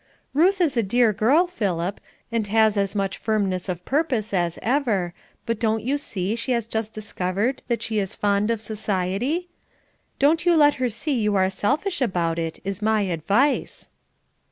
"Ruth is a dear girl, Philip, and has as much firmness of purpose as ever, but don't you see she has just discovered that she is fond of society? Don't you let her see you are selfish about it, is my advice."